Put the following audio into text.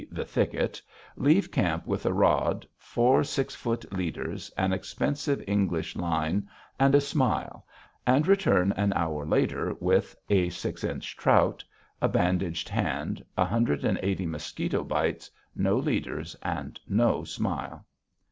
the thicket), leave camp with a rod, four six foot leaders, an expensive English line, and a smile, and return an hour later with a six inch trout, a bandaged hand, a hundred and eighty mosquito bites, no leaders, and no smile.